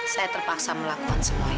saya terpaksa melakukan semua ini